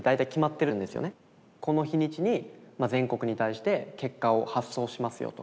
この日にちに全国に対して結果を発送しますよと。